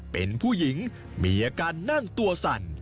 เป็นผู้หญิงมีอาการนั่งตัวสั่น